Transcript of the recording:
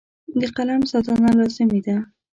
د قلم ساتنه لازمي ده.